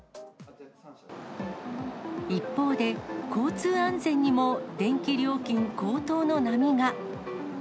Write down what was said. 一方で交通安全にも電気料金高騰の波が。